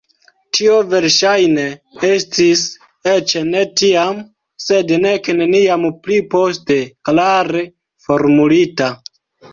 Tio verŝajne estis eĉ ne tiam, sed nek neniam pli poste klare formulita.